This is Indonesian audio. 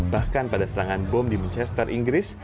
bahkan pada serangan bom di manchester inggris